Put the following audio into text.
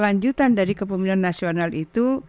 lanjutan dari kepemimpinan nasional itu